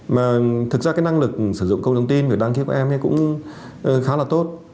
mà thực ra cái năng lực sử dụng công thông tin để đăng ký của các em cũng khá là tốt